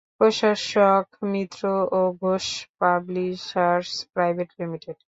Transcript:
প্রকাশক মিত্র ও Ghosh publishers private limited.